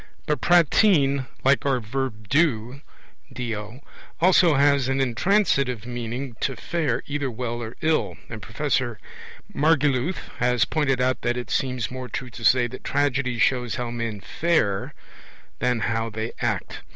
But prattein, like our 'do', also has an intransitive meaning 'to fare' either well or ill; and Professor Margoliouth has pointed out that it seems more true to say that tragedy shows how men 'fare' than how they 'act'.